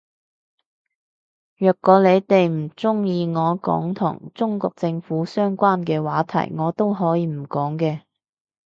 若果你哋唔鍾意我講同中國政府相關嘅話題我都可以唔講嘅